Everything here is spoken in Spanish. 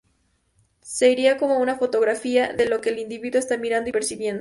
Sería como una "fotografía" de lo que el individuo está mirando y percibiendo.